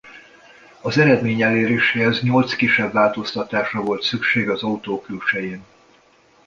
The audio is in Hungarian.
Az eredmény eléréséhez nyolc kisebb változtatásra volt szükség az autó külsején.